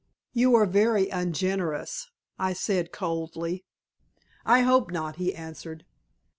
"You are very ungenerous," I said, coldly. "I hope not," he answered.